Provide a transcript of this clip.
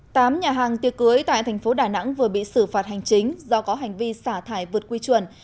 tám nhà hàng tiệc cưới tại thành phố đà nẵng vừa bị xử phạt hành chính do có hành vi xả thải vượt quy chuẩn